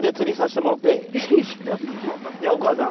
じゃあお母さん。